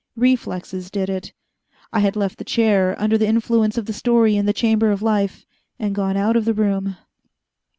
Reflexes did it. I had left the chair, under the influence of the story in the Chamber of Life, and gone out of the room.